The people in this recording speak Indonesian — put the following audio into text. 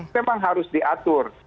memang harus diatur